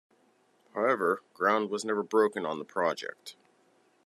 However, ground was never broken on the project.